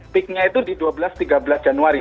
peaknya itu di dua belas tiga belas januari